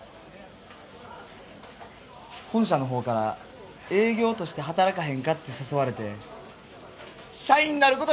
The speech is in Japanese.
本社の方から営業として働かへんかって誘われて社員なることになりました。